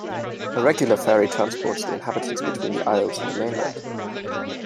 A regular ferry transports the inhabitants between the isles and the mainland.